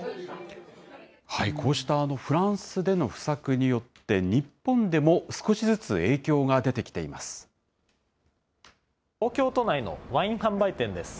こうしたフランスでの不作によって、日本でも少しずつ影響が東京都内のワイン販売店です。